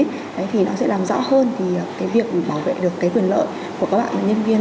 thế thì nó sẽ làm rõ hơn thì cái việc bảo vệ được cái quyền lợi của các bạn nhân viên